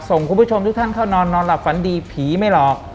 คุณผู้ชมทุกท่านเข้านอนนอนหลับฝันดีผีไม่หลอก